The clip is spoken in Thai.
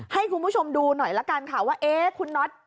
ให้คุณผู้ชมดูหน่อยละกันค่ะว่าเอ๊ะคุณน็อต